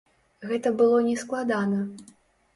Гэта было не складана.